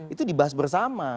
itu dibahas bersama